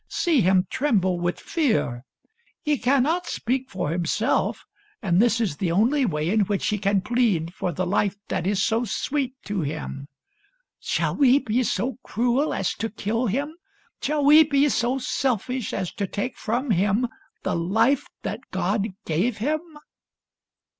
See him tremble with fear. He cannot speak for himself, and this is the only way in which he can plead for the life that is so sweet to him. Shall we be so cruel as to kill him .'' Shall we be so selfish as to take from him the life that God gave him